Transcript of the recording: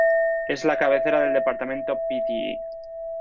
Es la cabecera del departamento Pte.